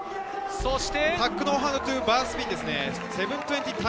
そしてタックノーハンド・トゥ・バースピンですね。